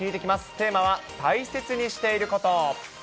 テーマは、大切にしていること。